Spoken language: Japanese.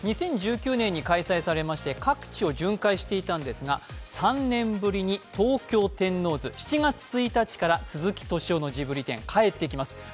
２０１９年に開催されまして各地を巡回していたのですが３年ぶりに東京・天王洲、７月１日から「鈴木敏夫のジブリ展」帰ってきます。